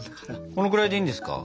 このぐらいでいいんですか？